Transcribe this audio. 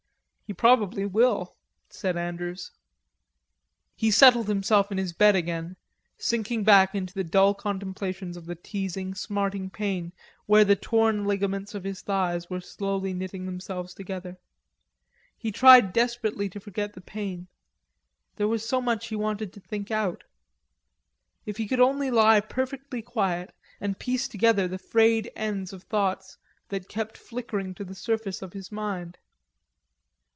"He probably will," said Andrews. He settled himself in his bed again, sinking back into the dull contemplation of the teasing, smarting pain where the torn ligaments of his thighs were slowly knitting themselves together. He tried desperately to forget the pain; there was so much he wanted to think out. If he could only lie perfectly quiet, and piece together the frayed ends of thoughts that kept flickering to the surface of his mind.